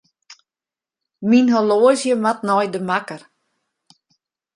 Myn horloazje moat nei de makker.